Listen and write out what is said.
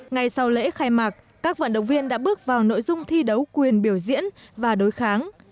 ngay sau lễ khai mạc các vận động viên đã bước vào nội dung thi đấu quyền biểu diễn và đối kháng